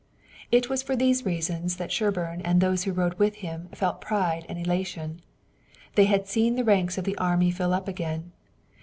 It was for these reasons that Sherburne and those who rode with him felt pride and elation. They had seen the ranks of the army fill up again.